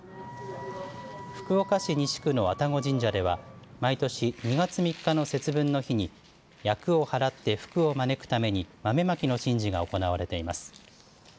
福岡市西区の愛宕神社では毎年、２月３日の節分の日に厄をはらって福を招くために豆まきの神事が行われています。